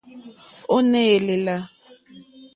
Ó ǃné lèlà.